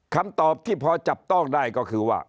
คำตอบที่พอจับต้องได้ก็คือว่า